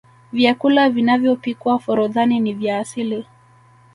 vyakula vinavyopikwa forodhani ni vya asili